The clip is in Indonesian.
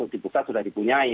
di pusat sudah dipunyai